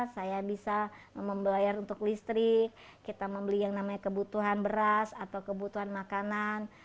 saya bisa membayar untuk listrik kita membeli yang namanya kebutuhan beras atau kebutuhan makanan